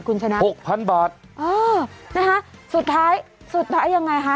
คุณจะครับเช้าละนะฮะสุดท้ายยังไงนะฮะ